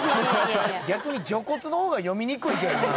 逆に「じょこつ」の方が読みにくいけどな。